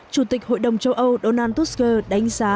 chủ tịch hội đồng châu âu donald tusker đánh giá